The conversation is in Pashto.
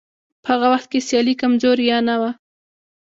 په هغه وخت کې سیالي کمزورې یا نه وه.